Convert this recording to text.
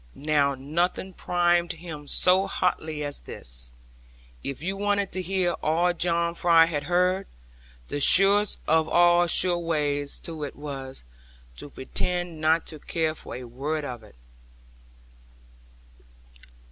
Now nothing primed him so hotly as this: if you wanted to hear all John Fry had heard, the surest of all sure ways to it was, to pretend not to care for a word of it.